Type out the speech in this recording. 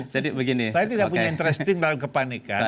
saya tidak punya interest di dalam kepanikan